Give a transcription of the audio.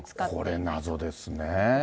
これ謎ですね。